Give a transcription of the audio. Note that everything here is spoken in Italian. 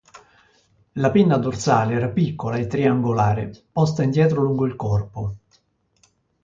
La pinna dorsale era piccola e triangolare, posta indietro lungo il corpo.